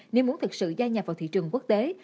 nếu muốn thực sự gia nhập vào thị trường quốc tế